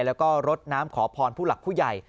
แล้วก็รดน้ำขอพรผู้หลักผู้ใหญ่